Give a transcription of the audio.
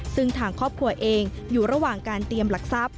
ซึ่งทางครอบครัวเองอยู่ระหว่างการเตรียมหลักทรัพย